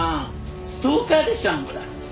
ストーカーでしょあんた。